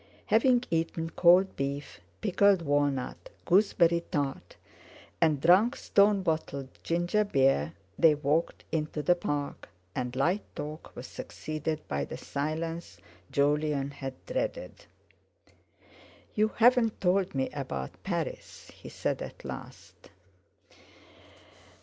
Having eaten cold beef, pickled walnut, gooseberry tart, and drunk stone bottle ginger beer, they walked into the Park, and light talk was succeeded by the silence Jolyon had dreaded. "You haven't told me about Paris," he said at last.